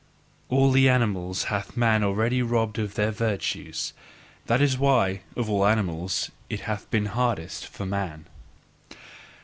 All the animals hath man already robbed of their virtues: that is why of all animals it hath been hardest for man.